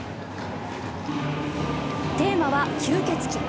テーマは吸血鬼。